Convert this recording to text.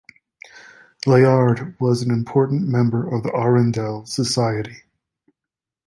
Layard was an important member of the Arundel Society.